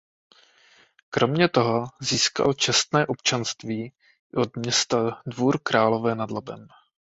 Kromě toho získal čestné občanství i od města Dvůr Králové nad Labem.